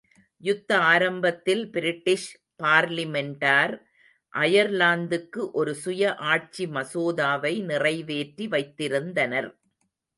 யுத்த ஆரம்பத்தில் பிரிட்டிஷ் பார்லிமென்டார் அயர்லாந்துக்கு ஒரு சுய ஆட்சி மசோதாவை நிறைவேற்றி வைத்திருந்தனர்.